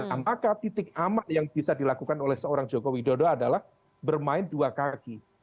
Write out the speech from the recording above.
nah maka titik amak yang bisa dilakukan oleh seorang joko widodo adalah bermain dua kaki